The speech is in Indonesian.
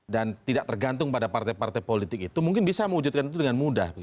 dan tidak tergantung pada partai partai politik itu mungkin bisa mewujudkan itu dengan mudah